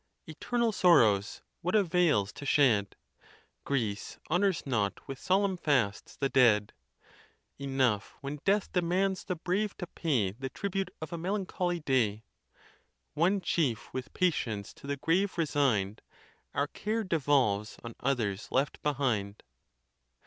Eternal sorrows what avails to shed ? Greece honors not with solemn fasts the dead : Enough when death demands the brave to pay The tribute of a melancholy day. One chief with patience to the grave resign'd, Our care devolves on others left behind.